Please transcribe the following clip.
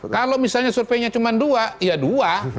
kalau misalnya surveinya cuma dua ya dua